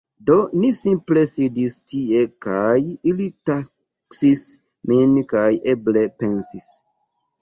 Do ni simple sidis tie kaj ili taksis min, kaj eble pensis: